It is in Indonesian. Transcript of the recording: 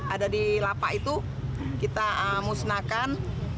ada di lapak itu kita musnahkan